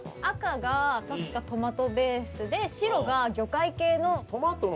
赤が確かトマトベースで白が魚介系の。